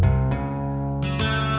alia gak ada ajak rapat